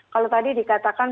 kalau tadi dikatakan